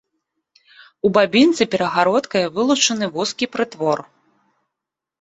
У бабінцы перагародкай вылучаны вузкі прытвор.